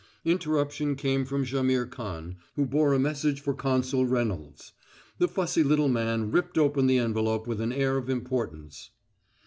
Interruption came from Jaimihr Khan, who bore a message for Consul Reynolds. The fussy little man ripped open the envelope with an air of importance.